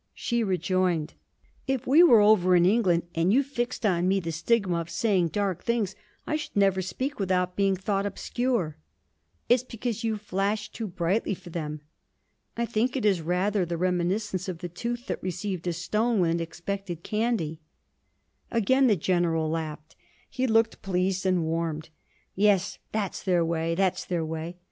She rejoined: 'If we were over in England, and you fixed on me the stigma of saying dark things, I should never speak without being thought obscure.' 'It's because you flash too brightly for them.' 'I think it is rather the reminiscence of the tooth that received a stone when it expected candy.' Again the General laughed; he looked pleased and warmed. 'Yes, that 's their way, that 's their way!'